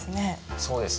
そうですね。